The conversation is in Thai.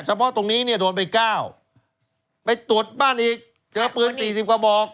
เฉพาะตรงนี้เนี่ยโดนไป๙ไปตรวจบ้านอีกเจอปืนสี่สิบกระบอก